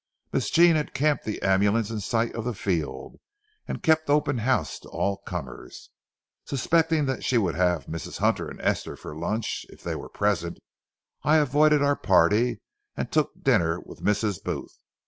Miss Jean had camped the ambulance in sight of the field, and kept open house to all comers. Suspecting that she would have Mrs. Hunter and Esther for lunch, if they were present, I avoided our party and took dinner with Mrs. Booth.